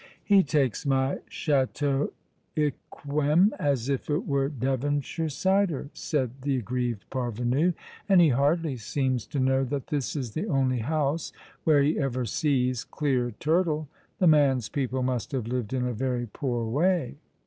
" He takes my Chateau Yquem as if it were Devonshire cider," said the aggrieved parvenu, " and he hardly seems to know that this is the only house where he ever sees clear turtle. The man's xoeople must have lived in a very poor way."